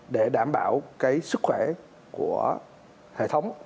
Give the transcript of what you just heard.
để đảm bảo cái sức khỏe của hệ thống